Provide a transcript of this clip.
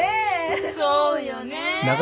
そうよね。